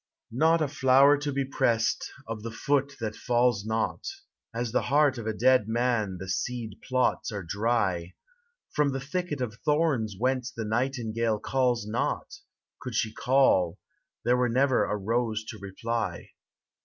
Not a flower to be pressed of the foot that falls not; As the heart of a dead man the seed plots are dry; From the thicket of thorns whence the nightin gale calls not, Could she call, there were never a rose to reply.